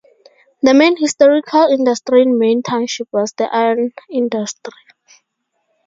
The main historical industry in Main Township was the iron industry.